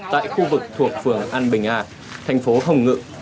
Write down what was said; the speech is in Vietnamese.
tại khu vực thuộc phường an bình a thành phố hồng ngự